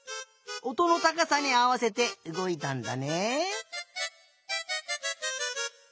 おとのたかさにあわせてうごいたんだね。